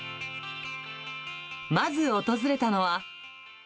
まず訪れたのは。